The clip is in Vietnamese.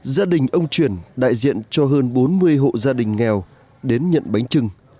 gia đình ông chuyển đại diện cho hơn bốn mươi hộ gia đình nghèo đến nhận bánh trưng